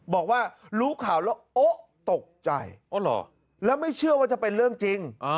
บอกว่ารู้ข่าวแล้วโอ๊ะตกใจแล้วไม่เชื่อว่าจะเป็นเรื่องจริง